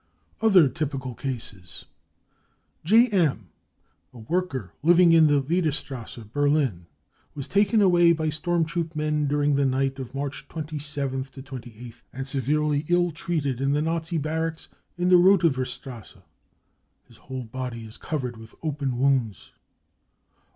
55 Other Typical Cases. " J.M., a worker living in the Werderstrasse, Berlin, was taken away by storm troop men during the night of March 27th 28th and severely ill treated in the Nazi barracks in the Rudowerstrasse. His whole body is covered with open wounds.